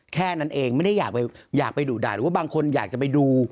แค่นั้นเองไม่ได้อยากไปดุด่าหรือว่าบางคนอยากจะไปดู